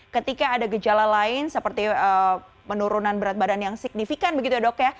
ketika ada gejala lain seperti penurunan berat badan yang signifikan begitu ya dok ya